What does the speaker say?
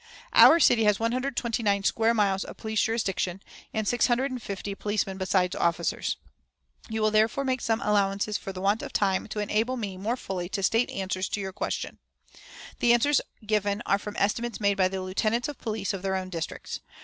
"Our city has one hundred and twenty nine (129) square miles of police jurisdiction, and six hundred and fifty (650) policemen besides officers. You will therefore make some allowances for the want of time to enable me more fully to state answers to your questions. "The answers given are from estimates made by the lieutenants of police of their own districts.